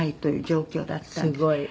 すごい。